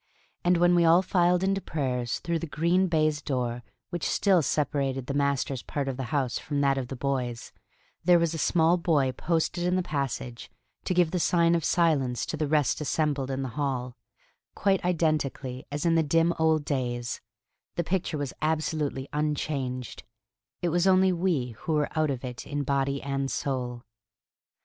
And when we all filed in to prayers, through the green baize door which still separated the master's part of the house from that of the boys, there was a small boy posted in the passage to give the sign of silence to the rest assembled in the hall, quite identically as in the dim old days; the picture was absolutely unchanged; it was only we who were out of it in body and soul.